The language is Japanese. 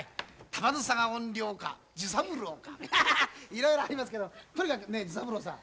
いろいろありますけどとにかくジュサブローさん